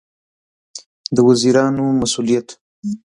د وزیرانو مسوولیت